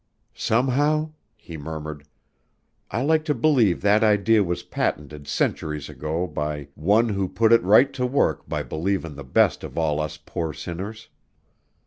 "Somehow," he murmured, "I like to believe that idee was patented centuries ago by One who put it right to work by believin' the best of all us poor sinners.